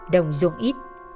đồng ruộng ít